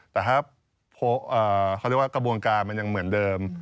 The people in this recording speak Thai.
แต่ถ้าเขาเรียกว่ากระบวนการมันยังเหมือนเดิม